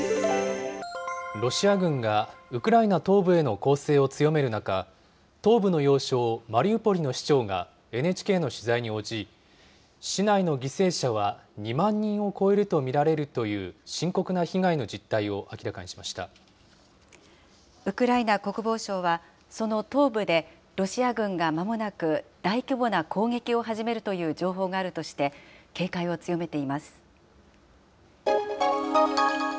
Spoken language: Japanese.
ロシア軍がウクライナ東部への攻勢を強める中、東部の要衝、マリウポリの市長がＮＨＫの取材に応じ、市内の犠牲者は、２万人を超えると見られるという深刻な被害の実態を明らかにしまウクライナ国防省は、その東部でロシア軍がまもなく大規模な攻撃を始めるという情報があるとして、警戒を強めています。